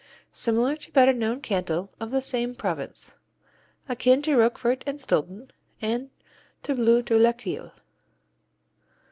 Similar to better known Cantal of the same province. Akin to Roquefort and Stilton, and to Bleu de Laqueuille.